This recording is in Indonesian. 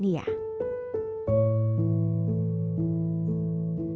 nia sudah selesai berjalan ke tempat tidur